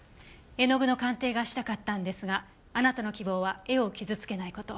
絵の具の鑑定がしたかったんですがあなたの希望は絵を傷つけない事。